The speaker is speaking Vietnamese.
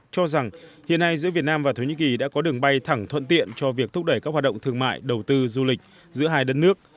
cho rằng hiện nay giữa việt nam và thổ nhĩ kỳ đã có đường bay thẳng thuận tiện cho việc thúc đẩy các hoạt động thương mại đầu tư du lịch giữa hai đất nước